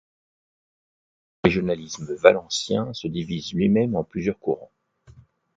Le régionalisme valencien se divise lui-même en plusieurs courants.